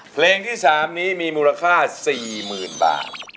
เพลงที่สามมีร้องมูลค่าสี่หมื่นบาท